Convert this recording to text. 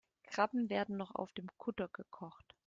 Krabben werden noch auf dem Kutter gekocht.